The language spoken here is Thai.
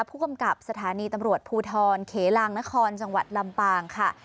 ผู้กำกับสถานีตำรวจภูทรเขลางนครจังหวัดลำปางค่ะ